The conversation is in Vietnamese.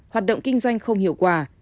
hoạt động kinh doanh không hiệu quả